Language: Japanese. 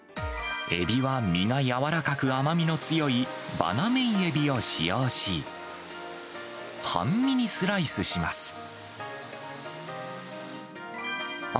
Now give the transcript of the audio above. エビは身が柔らかく、甘みの強いバナメイエビを使用し、半身にスライスします。